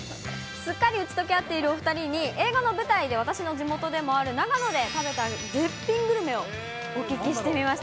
すっかり打ち解け合っているお２人に、映画の舞台で私の地元である長野県の絶品グルメをお聞きしてきました。